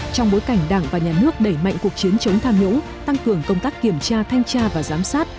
trong bối cảnh đảng và nhà nước đẩy mạnh cuộc chiến chống tham nhũng tăng cường công tác kiểm tra thanh tra và giám sát